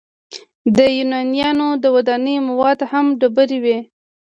د یونانیانو د ودانیو مواد هم ډبرې وې.